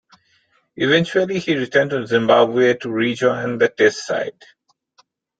Eventually he returned to Zimbabwe to re-join the Test side.